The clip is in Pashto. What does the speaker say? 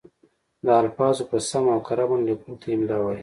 د الفاظو په سمه او کره بڼه لیکلو ته املاء وايي.